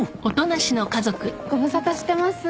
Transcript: ご無沙汰してます。